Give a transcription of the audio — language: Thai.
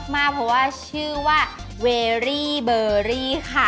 มาเพราะว่าชื่อว่าเวรี่เบอร์รี่ค่ะ